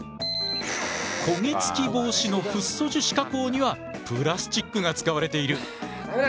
焦げつき防止のフッ素樹脂加工にはプラスチックが使われている。